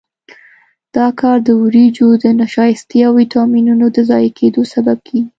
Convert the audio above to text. دا کار د وریجو د نشایستې او ویټامینونو د ضایع کېدو سبب کېږي.